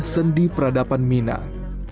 sendi peradaban minang